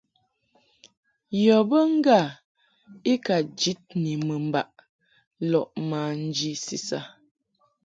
Yɔ be ŋgâ i ka jid ni mɨmbaʼ lɔʼ manji sisa.